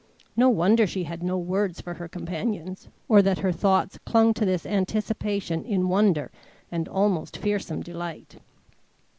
No wonder she had no words for her companions, or that her thoughts clung to this anticipation in wonder and almost fearsome delight.